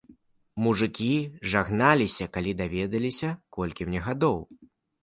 Мужыкі жагналіся, калі даведваліся, колькі мне гадоў.